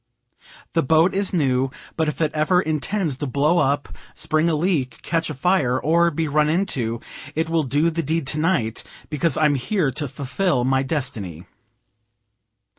The boat is new, but if it ever intends to blow up, spring a leak, catch afire, or be run into, it will do the deed tonight, because I'm here to fulfill my destiny.